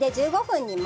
１５分。